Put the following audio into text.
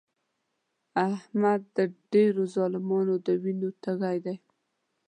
احمد د ډېرو ظالمانو د وینو تږی دی.